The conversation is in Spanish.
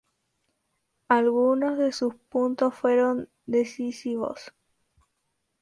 Algunos de sus puntos fueron decisivos.